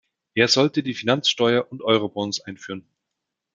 Er sollte die Finanzsteuer und Eurobonds einführen.